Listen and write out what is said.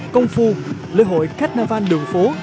công phu lễ hội cát na văn đường phố